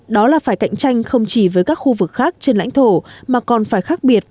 đó là phải cạnh tranh không chỉ với các khu vực khác trên lãnh thổ mà còn phải khác biệt